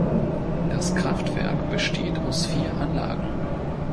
Das Kraftwerk besteht aus vier Anlagen.